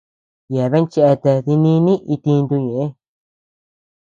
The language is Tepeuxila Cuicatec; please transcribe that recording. Yeabean cheate dininii itintu ñëʼe.